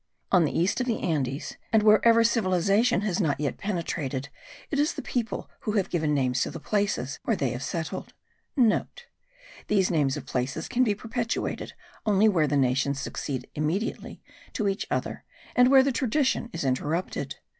On the east of the Andes and wherever civilization has not yet penetrated, it is the people who have given names to the places where they have settled.* (* These names of places can be perpetuated only where the nations succeed immediately to each other, and where the tradition is interrupted.